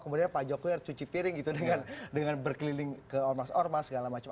kemudian pak jokowi harus cuci piring gitu dengan berkeliling ke ormas ormas segala macam